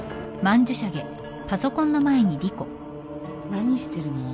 何してるの？